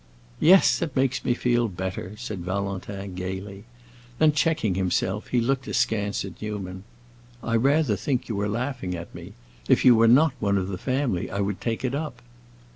"Yes, it makes me feel better!" said Valentin, gaily. Then, checking himself, he looked askance at Newman. "I rather think you are laughing at me. If you were not one of the family I would take it up."